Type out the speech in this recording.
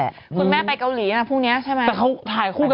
สวัสดีค่ะข้าวใส่ไข่สดใหม่เยอะสวัสดีค่ะ